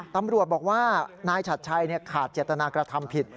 ตำรวจบอกว่านายฉัดชัยขาดเจตนากระทำผิด